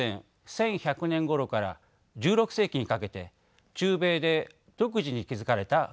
１１００年ごろから１６世紀にかけて中米で独自に築かれた文明でした。